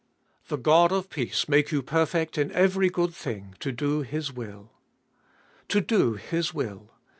The God of peace make you perfect in every good thing to do His will. To do His will.